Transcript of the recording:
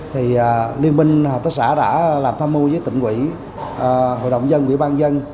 thì liên minh hợp tác xã đã làm tham mưu với tỉnh quỹ hội đồng dân quỹ ban dân